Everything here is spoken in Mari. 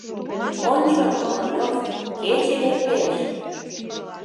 Ончо, Королёв, кече лектеш!